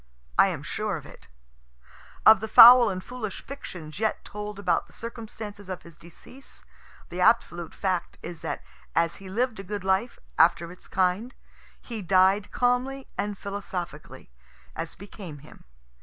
I am sure of it. Of the foul and foolish fictions yet told about the circumstances of his decease, the absolute fact is that as he lived a good life, after its kind, he died calmly and philosophically, as became him.